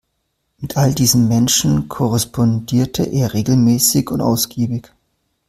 Mit all diesen Menschen korrespondierte er regelmäßig und ausgiebig.